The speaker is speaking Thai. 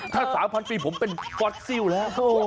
ถ้า๓๐๐ปีผมเป็นฟอสซิลแล้ว